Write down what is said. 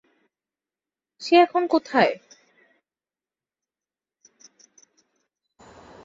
সে এখন কোথায়।